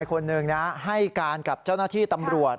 คนหนึ่งนะให้การกับเจ้าหน้าที่ตำรวจ